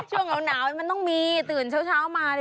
ช่วงหนาวมันต้องมีตื่นเช้ามา